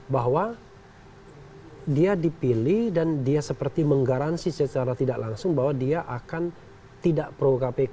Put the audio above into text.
bahwa dia dipilih dan dia seperti menggaransi secara tidak langsung bahwa dia akan tidak pro kpk